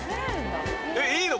えっいいの？